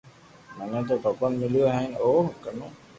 مني تو ڀگوان مليو ھين ۾ او ڪنو